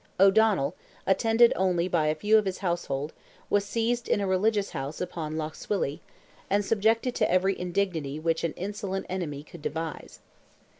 O'Donnell, attended only by a few of his household, was seized in a religious house upon Lough Swilly, and subjected to every indignity which an insolent enemy could devise.